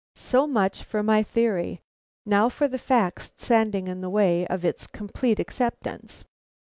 So much for my theory; now for the facts standing in the way of its complete acceptance.